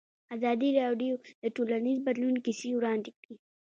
ازادي راډیو د ټولنیز بدلون کیسې وړاندې کړي.